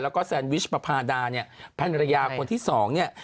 แล้วก้แซนวิชประพาดาภรรยาคนที่๒